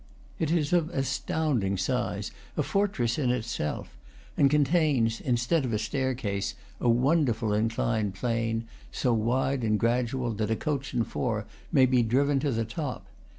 It is of astounding size, a fortress in itself, and contains, instead of a staircase, a wonderful inclined plane, so wide and gradual that a coach and four may be driven to the top.